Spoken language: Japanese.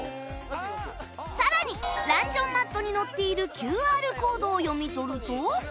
さらにランチョンマットに載っている ＱＲ コードを読み取ると